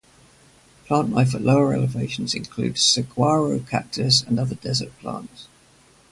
Plant life at lower elevations includes saguaro cactus and other desert plants.